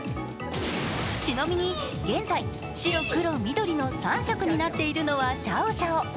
ちなみに現在、白黒緑の３色になっているのはシャオシャオ。